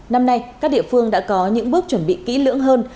năm nay các địa phương đã có những bước chuẩn bị kỹ lưỡng hơn